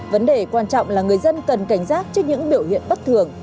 vấn đề quan trọng là người dân cần cảnh giác trước những biểu hiện bất thường